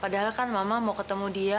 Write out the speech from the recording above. padahal kan mama mau ketemu dia